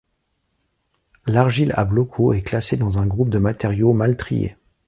L'argile à blocaux est classée dans un groupe de matériaux mal triés.